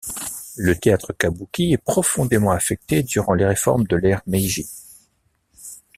Le théâtre kabuki est profondément affecté durant les réformes de l'ère Meiji.